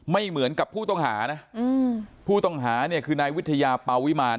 ไม่เหมือนกับผู้ต้องหานะผู้ต้องหาเนี่ยคือนายวิทยาปาวิมาร